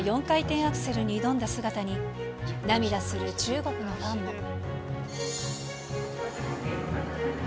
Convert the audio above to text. ４回転アクセルに挑んだ姿に、涙する中国のファンも。